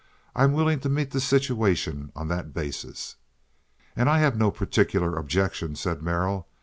"I'm willing to meet the situation on that basis." "And I have no particular objection," said Merrill.